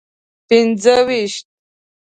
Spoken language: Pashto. پنځه ویشت.